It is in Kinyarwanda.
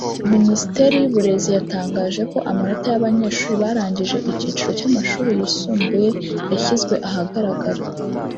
Minisiteri y’ uburezi yatangaje ko amanota y’abanyeshuri barangije icyiciro cy’amashuri yisumbuye yashyizwe ahagaragara